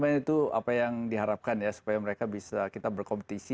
jadi itu apa yang diharapkan ya supaya mereka bisa kita berkompetisi